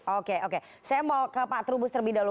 oke oke saya mau ke pak trubus terlebih dahulu